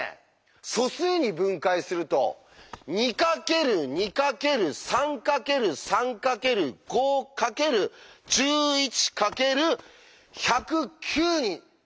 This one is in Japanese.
素数に分解すると２×２×３×３×５×１１×１０９になります。